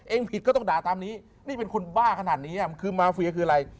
เองผิดก็ต้องด่าตามนี้นี่เป็นคนบ้าขนาดนี้คือมาเฟียคืออะไร